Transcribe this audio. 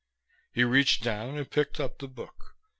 He reached down and picked up the book.